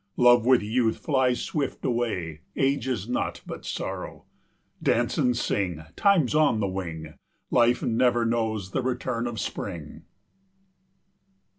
Love with youth flies swift away, Age is nought but sorrow. Dance and sing, Time's on the wing, Life never knows the return of spring.